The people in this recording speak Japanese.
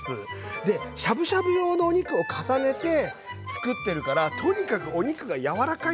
でしゃぶしゃぶ用のお肉を重ねてつくってるからとにかくお肉が柔らかいんです。